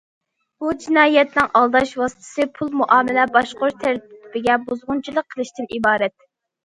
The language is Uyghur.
بۇ جىنايەتنىڭ ئالداش ۋاسىتىسى پۇل مۇئامىلە باشقۇرۇش تەرتىپىگە بۇزغۇنچىلىق قىلىشتىن ئىبارەت.